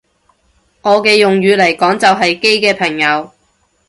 我嘅用語嚟講就係基嘅朋友